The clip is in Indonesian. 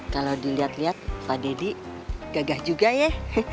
kalau dilihat lihat pak deddy gagah juga ya